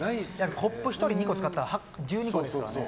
コップ１人２個使ったら１２個ですからね。